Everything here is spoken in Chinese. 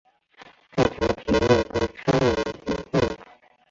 这条铁路被称为或。